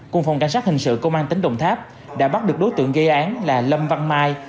cùng phòng cảnh sát hình sự công an tỉnh đồng tháp đã bắt được đối tượng gây án là lâm văn mai